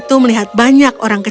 tidak minat lagi